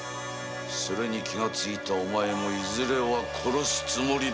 それに気がついたお前もいずれは殺すつもりだった。